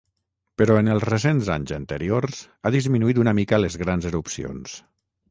Però en els recents anys anteriors, ha disminuït una mica les grans erupcions.